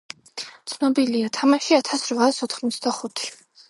ცნობილია: თამაში ათას რვაას ოთხმოცდახუთი